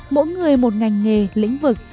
mỗi người một ngành nghề lĩnh vực